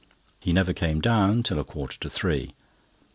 He never came down till a quarter to three.